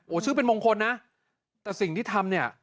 ชื่อเป็นมงคลนะแต่สิ่งที่ทำเนี่ย